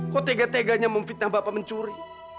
kok tega teganya memfitnah bapak mencuri